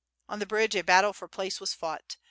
On the bridge a battle for place was fought.